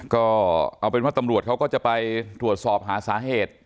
ก็เอาเป็นว่าตำรวจเขาก็จะไปตรวจสอบหาสาเหตุ